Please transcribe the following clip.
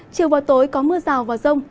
chiều vào tối có mưa rào và rông